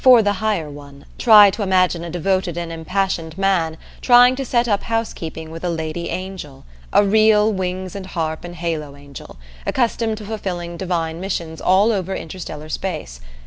For the higher one, try to imagine a devoted and impassioned man trying to set up housekeeping with a lady angel, a real wings and harp and halo angel, accustomed to fulfilling divine missions all over interstellar space.